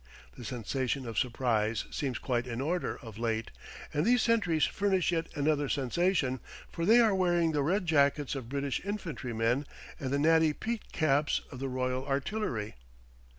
The sensation of surprise seems quite in order of late, and these sentries furnish yet another sensation, for they are wearing the red jackets of British infantrymen and the natty peaked caps of the Royal Artillery.